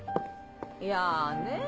やあねぇ。